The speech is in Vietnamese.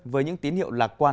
với những tín hiệu lạc quan